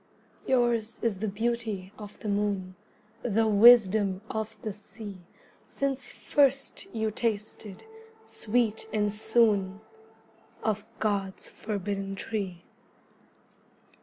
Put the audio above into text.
Your's is the beauty of the moon, The wisdom of the sea, Since first you tasted, sweet and soon, Of God's forbidden tree.